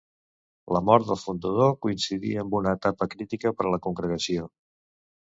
La mort del fundador coincidí amb una etapa crítica per a la congregació.